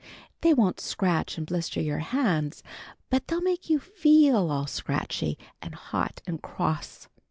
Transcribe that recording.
They won't scratch and blister your hands, but they'll make you feel all scratchy and hot and cross.